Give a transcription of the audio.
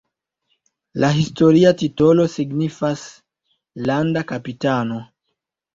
La historia titolo signifas "landa kapitano".